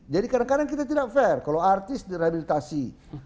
jadi kadang kadang kita tidak fair kalau artis direhabilitasi